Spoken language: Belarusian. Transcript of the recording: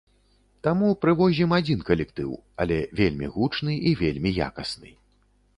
Таму прывозім адзін калектыў, але вельмі гучны і вельмі якасны.